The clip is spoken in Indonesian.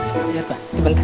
iya tuhan sebentar